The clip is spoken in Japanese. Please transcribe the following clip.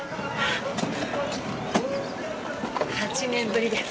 ８年ぶりです。